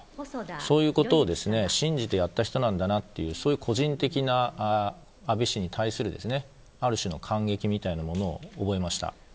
そういうことを信じてやった人なんだなというそういう個人的な安倍氏に対するある種の感激みたいなことを覚えました。